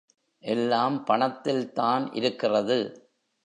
எல்லாம் பணத்தில்தான் இருக்கிறது.